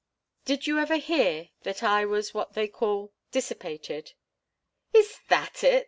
"Did you ever hear that I was what they call dissipated?" "Is that it?"